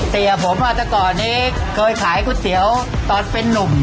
เสียผมแต่ก่อนนี้เคยขายก๋วยเตี๋ยวตอนเป็นนุ่ม